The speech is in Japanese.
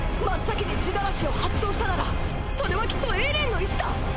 真っ先に地鳴らしを発動したならそれはきっとエレンの意志だ！！